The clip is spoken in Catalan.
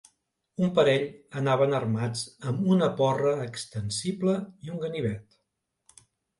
Un parell anaven armats amb una porra extensible i un ganivet.